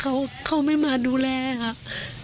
เพราะในเมื่อเขาไม่มาดูแลค่ะ